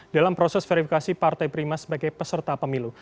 dalam proses verifikasi partai prima sebagai peserta pemilu